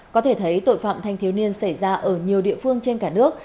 có thể thấy tội phạm thanh thiếu niên xảy ra ở nhiều địa phương trên cả nước